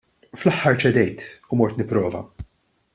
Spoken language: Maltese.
Fl-aħħar ċedejt u mort nipprova.